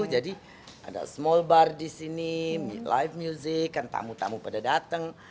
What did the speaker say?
jadi ada small bar di sini live music kan tamu tamu pada datang